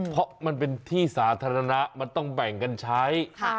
เพราะมันเป็นที่สาธารณะมันต้องแบ่งกันใช้